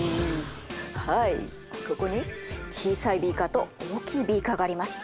はいここに小さいビーカーと大きいビーカーがあります。